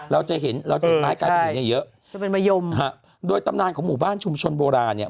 เราจะเห็นเราเห็นไม้กลายเป็นหินเนี่ยเยอะจะเป็นมะยมฮะโดยตำนานของหมู่บ้านชุมชนโบราณเนี่ย